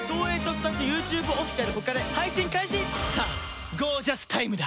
さあゴージャスタイムだ！